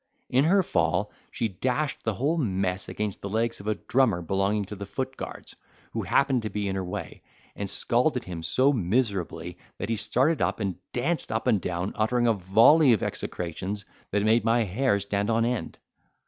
In her fall, she dashed the whole mess against the legs of a drummer belonging to the foot guards, who happened to be in her way, and scalded him so miserably, that he started up, and danced up and down, uttering a volley of execrations that made my hair stand on end.